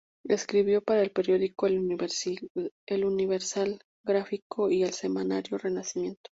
Escribió para el periódico "El Universal Gráfico" y el semanario "Renacimiento".